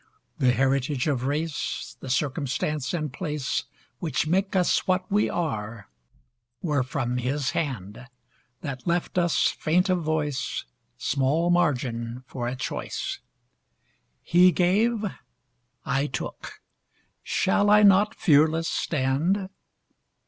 The heritage of race, The circumstance and placeWhich make us what we are—were from His hand, That left us, faint of voice, Small margin for a choice. He gave, I took: shall I not fearless stand?